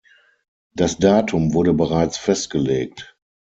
Das Datum wurde bereits festgelegt.